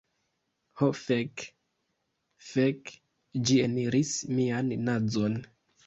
Ho fek. Fek, ĝi eniris mian nazon.